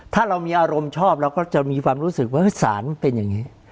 ถ้าเรามีอารมณ์ชอบเราก็จะมีความรู้สึกว่าสารมันเป็นอย่างนี้